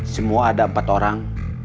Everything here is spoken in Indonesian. semua ada empat orang